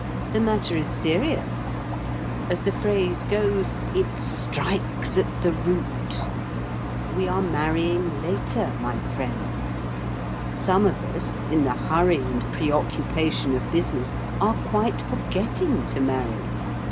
The matter is serious. As the phrase goes, "it strikes at the root." We are marrying later, my friends. Some of us, in the hurry and pre occupation of business, are quite forgetting to marry.